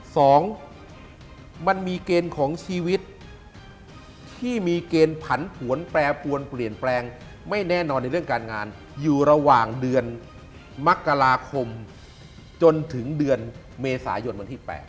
สองมันมีเกณฑ์ของชีวิตที่มีเกณฑ์ผันผวนแปรปวนเปลี่ยนแปลงไม่แน่นอนในเรื่องการงานอยู่ระหว่างเดือนมกราคมจนถึงเดือนเมษายนวันที่๘